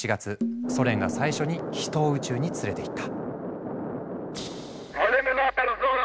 ソ連が最初に人を宇宙に連れていった。